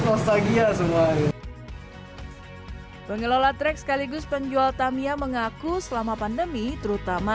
pesta kita semuanya pengelola traks sekaligus penjual tamiya mengaku selama pandemi terutama